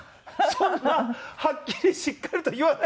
そんなはっきりしっかりと言わないでくださいよ。